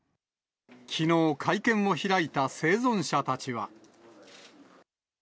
きのう、会見を開いた生存者たちは。